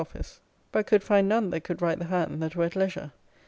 ] but could find none that could write the hand, that were at leisure.